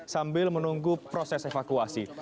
sambil menunggu proses evakuasi